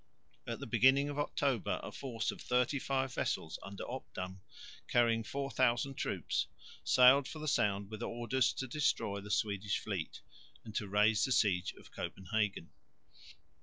At the beginning of October a force of thirty five vessels under Obdam carrying 4000 troops sailed for the Sound with orders to destroy the Swedish fleet, and to raise the siege of Copenhagen.